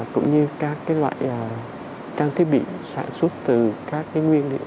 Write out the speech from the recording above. cũng như các loại trang thiết bị sản xuất từ các nguyên liệu